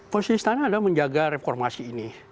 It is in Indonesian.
posisi istana adalah menjaga reformasi ini